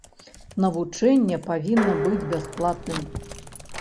Навучанне павінна быць бясплатным.